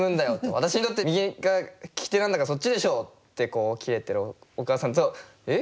私にとって右が利き手なんだからそっちでしょ！」ってキレてるお母さんと「え？